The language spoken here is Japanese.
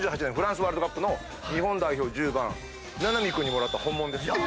９８年フランスワールドカップの日本代表１０番名波君にもらった本物です。